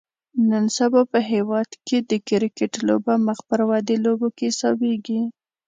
نن سبا په هیواد کې د کرکټ لوبه مخ پر ودې لوبو کې حسابیږي